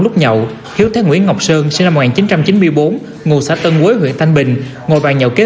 lúc nhậu hiếu thế nguyễn ngọc sơn sinh năm một nghìn chín trăm chín mươi bốn ngụ xã tân quế huyện thanh bình ngồi bàn nhậu kế